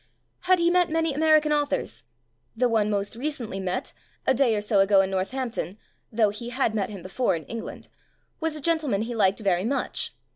Had he met many American au thors? The one most recently met, a day or so ago in Northampton (though he had met him before in England), was a gentleman he liked very much.